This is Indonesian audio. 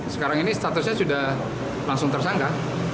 sekarang ini statusnya sudah langsung tersangka